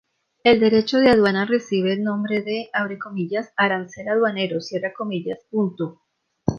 El derecho de aduana recibe el nombre de "arancel aduanero".